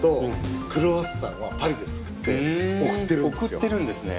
送ってるんですね。